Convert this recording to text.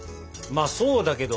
まあそうだけど。